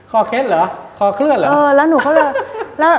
คอเค็ดหรอคอเคลื่อนหรอ